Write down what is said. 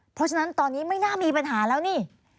เพราะฉะนั้นตอนนี้ไม่น่ามีปัญหาแล้วนี่